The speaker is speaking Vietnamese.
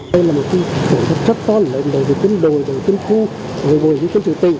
đây là một sự thật rất to lợi lợi đối với chính đối đối với chính khu đối với chính trị tình